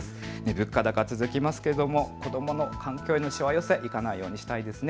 物価高、続きますけれども子どもの環境にしわ寄せがいかないようにしたいですね。